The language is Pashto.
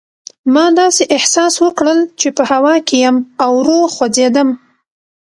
ما داسې احساس وکړل چې په هوا کې یم او ورو خوځېدم.